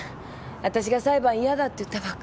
わたしが裁判嫌だって言ったばっかりに。